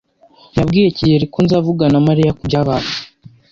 Nabwiye kigeli ko nzavugana na Mariya kubyabaye.